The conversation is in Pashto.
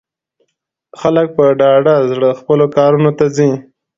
خلک په ډاډه زړه خپلو کارونو ته ځي.